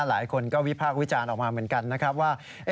หลายคนก็วิพากษ์วิจารณ์ออกมาเหมือนกันนะครับว่า